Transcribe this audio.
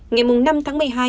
ngày năm tháng một mươi hai